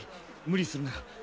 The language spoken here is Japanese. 無理するな。